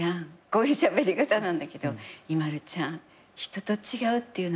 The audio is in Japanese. こういうしゃべり方なんだけど「ＩＭＡＬＵちゃん人と違うっていうのは自慢なんだよ」っていう。